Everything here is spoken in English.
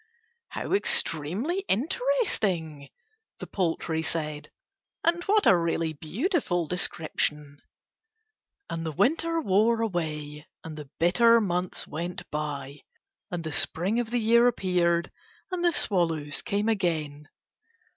"How extremely interesting," the poultry said, "and what a really beautiful description!" And the Winter wore away, and the bitter months went by, and the Spring of the year appeared, and the swallows came again.